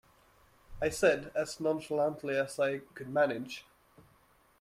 I said, as nonchalantly as I could manage.